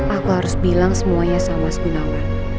aku harus bilang semuanya sama mas gunawan